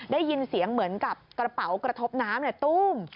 ได้ยินเสียงเหมือนกับกระเป๋ากระทบน้ำตู้ม